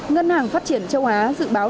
ngân hàng phát triển châu á dự báo